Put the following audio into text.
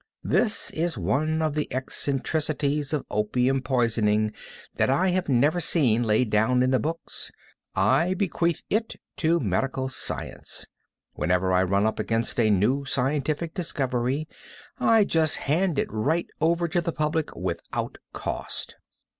This is one of the eccentricities of opium poisoning that I have never seen laid down in the books. I bequeath it to medical science. Whenever I run up against a new scientific discovery, I just hand it right over to the public without cost.